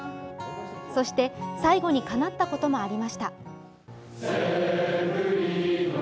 そして、最後にかなったこともありました。